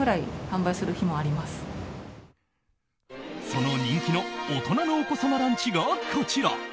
その人気の大人のお子様ランチがこちら。